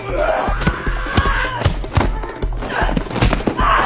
あっ。